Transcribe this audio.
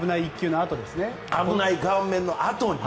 危ない顔面のあとに。